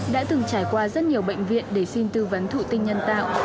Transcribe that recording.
đã từng trải qua rất nhiều bệnh viện để xin tư vấn thụ tinh nhân tạo